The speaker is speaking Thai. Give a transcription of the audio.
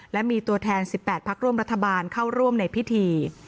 และมีตัวแทน๑๘พักร่วมรัฐบาลเข้าร่วมในพิธี